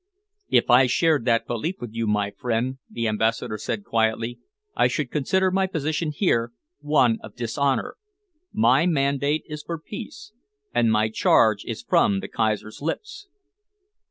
"If I shared that belief with you, my friend," the Ambassador said quietly, "I should consider my position here one of dishonour. My mandate is for peace, and my charge is from the Kaiser's lips."